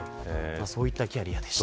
そういったキャリアでした。